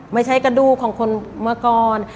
ไม่ใช่กระดูกของคนเมื่อก่อน